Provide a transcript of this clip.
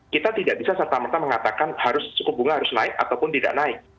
kita tidak bisa serta merta mengatakan suku bunga harus naik ataupun tidak naik